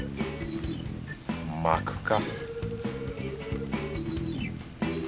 巻くか